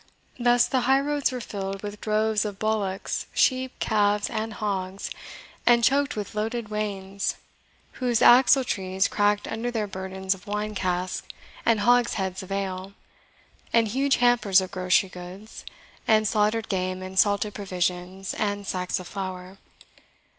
Thus the highroads were filled with droves of bullocks, sheep, calves, and hogs, and choked with loaded wains, whose axle trees cracked under their burdens of wine casks and hogsheads of ale, and huge hampers of grocery goods, and slaughtered game, and salted provisions, and sacks of flour.